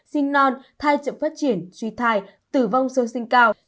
sinh non thai chậm phát triển suy thai tử vong sơ sinh cao